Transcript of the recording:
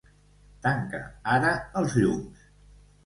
Tanca ara els llums.